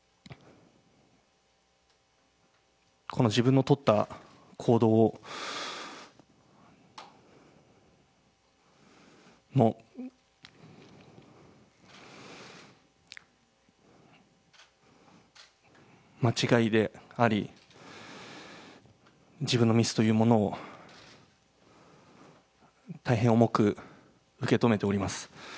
この自分の取った行動を、間違いであり、自分のミスというものを大変重く受け止めております。